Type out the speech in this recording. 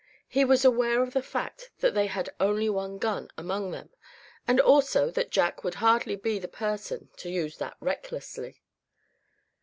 He was aware of the fact that they had only one gun among them; and also that Jack would hardly be the person to use that recklessly.